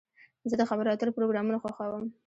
زه د خبرو اترو پروګرامونه خوښوم.